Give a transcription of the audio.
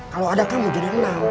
kalau ada kamu jadi menang